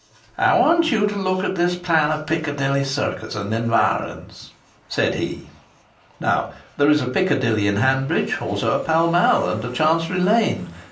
"I want you to look at this plan of Piccadilly Circus and environs," said he. Now there is a Piccadilly in Hanbridge; also a Pall Mall and a Chancery Lane.